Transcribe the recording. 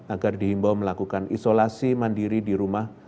agar dihimbau melakukan isolasi mandiri di rumah